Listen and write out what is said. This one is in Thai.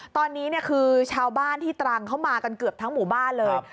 ตอนนี้คือชาวบ้านที่ตรังเขามากันเกือบทั้งหมู่บ้านเลย